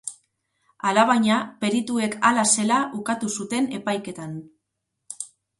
Alabaina, perituek hala zela ukatu zuten epaiketan.